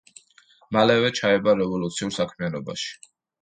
მალევე ჩაება რევოლუციურ საქმიანობაში.